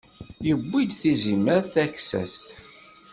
Yewwi-d tizimert taksast.